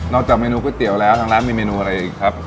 จากเมนูก๋วยเตี๋ยวแล้วทางร้านมีเมนูอะไรอีกครับ